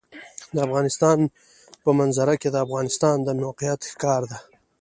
د افغانستان په منظره کې د افغانستان د موقعیت ښکاره ده.